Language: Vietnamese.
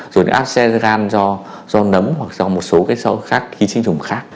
rồi cái áp xe gan do nấm hoặc do một số cái rau khác ký sinh trùng khác